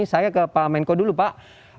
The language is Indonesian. saya ke pak menko dulu pak